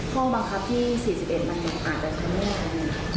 ข้อบังคับที่๔๑มันอาจจะเป็นอย่างไร